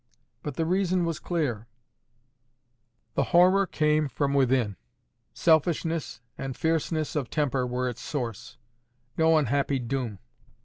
But the reason was clear: the horror came from within; selfishness, and fierceness of temper were its source—no unhappy DOOM.